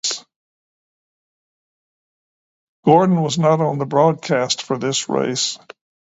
Gordon was not on the broadcast for this race.